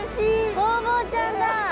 ホウボウちゃんだ！